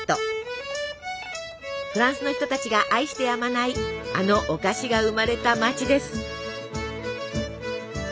フランスの人たちが愛してやまないあのお菓子が生まれた街です。